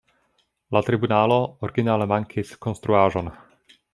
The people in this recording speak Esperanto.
La tribunalo originale mankis konstruaĵon.